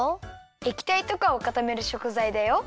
えきたいとかをかためるしょくざいだよ。